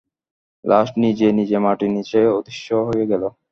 লাশ নিজে নিজেই মাটির নীচে অদৃশ্য হয়ে গেল।